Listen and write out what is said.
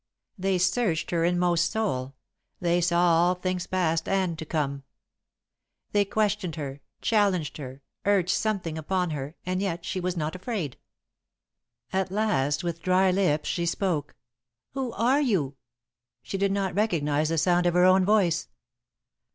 They searched her inmost soul; they saw all things past and to come. They questioned her, challenged her, urged something upon her, and yet she was not afraid. At last, with dry lips, she spoke. "Who are you?" She did not recognise the sound of her own voice.